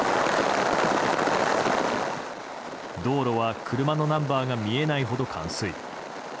道路は車のナンバーが見えないほど冠水。